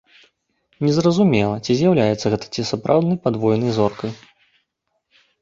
Не зразумела, ці з'яўляецца гэта ці сапраўднай падвойнай зоркай.